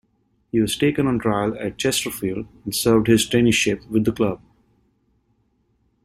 He was taken on trial at Chesterfield and served his traineeship with the club.